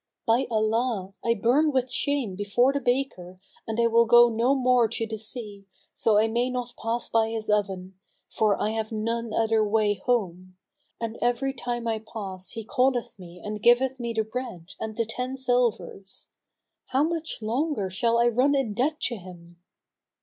By Allah, I burn with shame before the baker and I will go no more to the sea, so I may not pass by his oven, for I have none other way home; and every time I pass he calleth me and giveth me the bread and the ten silvers. How much longer shall I run in debt to him?"